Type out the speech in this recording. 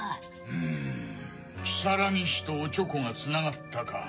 うん如月とオチョコがつながったか。